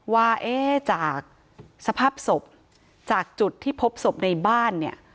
ว่าเอ๊ะจากสภาพศพจากจุดที่พบศพในบ้านเนี่ย